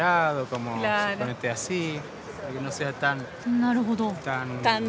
なるほど。